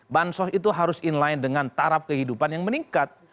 bansos itu harus inline dengan taraf kehidupan yang meningkat